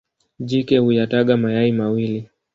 Jike huyataga mayai mawili.